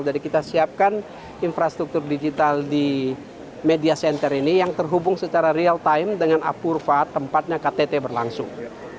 jadi kita siapkan infrastruktur digital di media center ini yang terhubung secara real time dengan apurva tempatnya ktt berlangsung